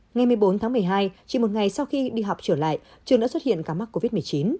ngày một mươi bốn tháng một mươi hai chỉ một ngày sau khi đi học trở lại trường đã xuất hiện ca mắc covid một mươi chín